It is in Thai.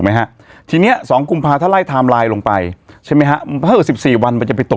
เออหนึ่งอ๋อก็ยังไม่เป็นไร